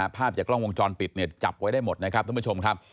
ภาพจากกล้องวงจรปิดเนี่ยจับไว้ได้หมดนะครับท่านผู้ชมครับ